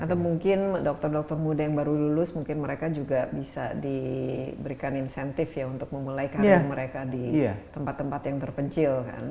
atau mungkin dokter dokter muda yang baru lulus mungkin mereka juga bisa diberikan insentif ya untuk memulai karya mereka di tempat tempat yang terpencil kan